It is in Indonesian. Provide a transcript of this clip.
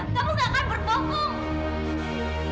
kamu gak akan berpokong